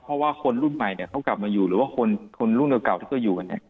เพราะว่าคนรุ่นใหม่เนี่ยเขากลับมาอยู่หรือว่าคนรุ่นเก่าที่เขาอยู่กันเนี่ย